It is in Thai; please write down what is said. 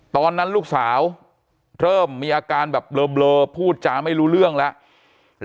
ตอนนั้นลูกสาวเริ่มมีอาการแบบเบลอพูดจาไม่รู้เรื่องแล้ว